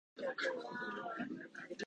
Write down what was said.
高野豆腐